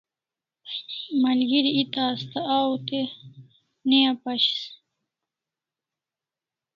Malgeri eta asta a o to ne apashis